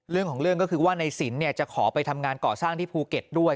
เรื่องของเรื่องก็คือว่าในสินจะขอไปทำงานก่อสร้างที่ภูเก็ตด้วย